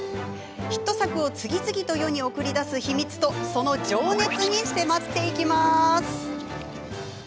ヒット作を次々と世に送り出す秘密とその情熱に迫っていきます。